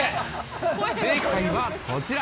正解はこちら。